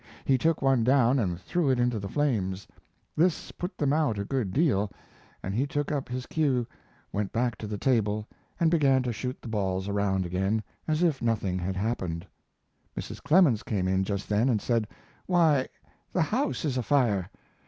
He took one down and threw it into the flames. This put them out a good deal, and he took up his cue, went back to the table, and began to shoot the balls around again as if nothing had happened. Mrs. Clemens came in just then and said, "Why, the house is afire!"